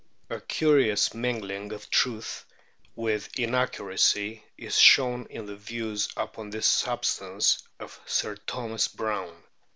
A curious mingling of truth with inaccuracy is shown in the views upon this substance of Sir Thomas Brown.